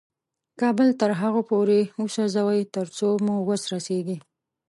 کابل تر هغو پورې وسوځوئ تر څو مو وس رسېږي.